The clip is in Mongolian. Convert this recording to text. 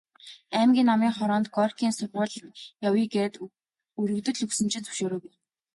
Аймгийн Намын хороонд Горькийн сургуульд явъя гээд өргөдөл өгсөн чинь зөвшөөрөөгүй.